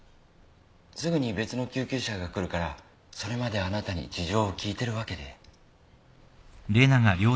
すぐに別の救急車が来るからそれまであなたに事情を聴いてるわけで。